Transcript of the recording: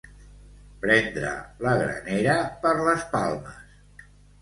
Prendre la granera per les palmes.